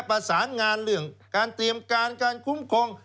ประสานงานเรื่องการเตรียมการการคุ้มครอง